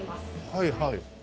はいはい。